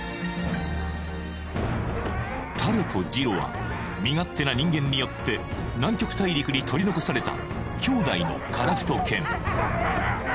タロとジロは身勝手な人間によって南極大陸に取り残された兄弟のカラフト犬